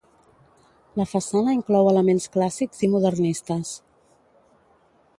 La façana inclou elements clàssics i modernistes.